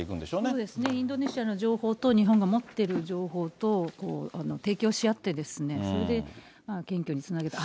そうですね、インドネシアの情報と日本が持っている情報と、提供し合ってですね、それで検挙につなげた。